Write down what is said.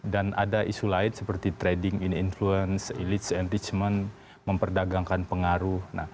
dan ada isu lain seperti trading influence elites enrichment memperdagangkan pengaruh